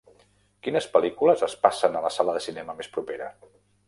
Quines pel·lícules es passen a la sala de cinema més propera